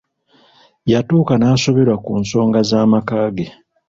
Yatuuka n'asoberwa ku nsonga z'amaka ge.